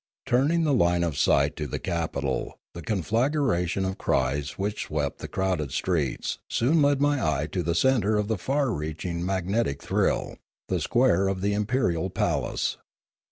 Turning the line of sight to the capital, the conflagration of cries which swept the crowded streets soon led my eye to the centre of the far reaching mag netic thrill, the square of the imperial palace.